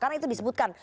karena itu disebutkan